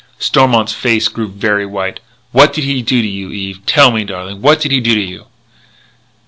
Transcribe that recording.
Stormont's face grew very white: "What did he do to you, Eve? Tell me, darling. What did he do to you?"